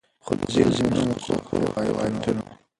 خو د ځینو مؤثقو روایتونو